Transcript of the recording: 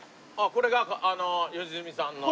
これ良純さんの。